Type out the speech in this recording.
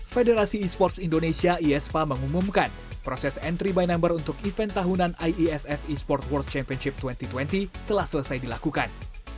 federasi esports indonesia iespa mengumumkan proses entry by number untuk event tahunan iesf esports world championship dua ribu dua puluh telah selesai dilakukan